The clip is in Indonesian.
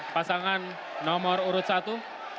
pasangan nomor urut satu